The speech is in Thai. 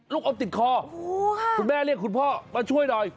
อมติดคอคุณแม่เรียกคุณพ่อมาช่วยหน่อย